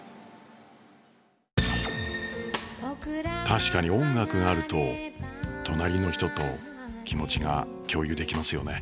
確かに音楽があると隣の人と気持ちが共有できますよね。